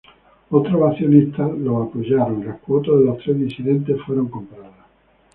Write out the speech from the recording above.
Otros accionistas lo apoyaron y las cuotas de los tres disidentes fueron compradas.